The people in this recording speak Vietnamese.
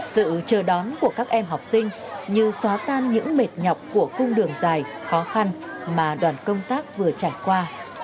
sự chờ đón của các em học sinh như xóa tan những mệt nhọc của cung đường dài khó khăn mà đoàn công tác vừa trải qua